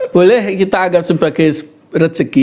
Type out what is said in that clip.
boleh kita anggap sebagai rezeki